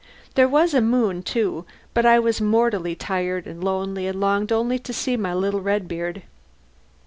There was a moon, too, but I was mortally tired and lonely and longed only to see my little Redbeard.